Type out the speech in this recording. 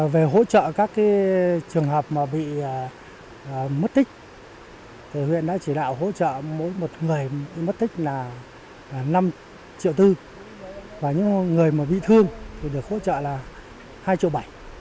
về hỗ trợ các trường hợp bị mất tích huyện đã chỉ đạo hỗ trợ mỗi một người mất tích là năm triệu tư và những người bị thương thì được hỗ trợ là hai triệu bảy